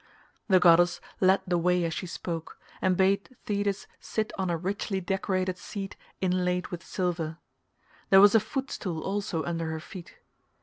The goddess led the way as she spoke, and bade Thetis sit on a richly decorated seat inlaid with silver; there was a footstool also under her feet.